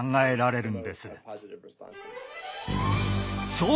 そう！